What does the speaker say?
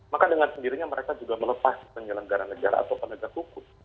maka dengan sendirinya mereka juga melepas penyelenggara negara atau penegak hukum